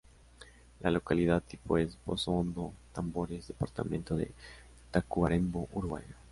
La localidad tipo es: Pozo Hondo, Tambores, Departamento de Tacuarembó, Uruguay.